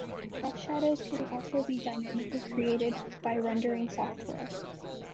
Drop shadows can also be dynamically created by rendering software.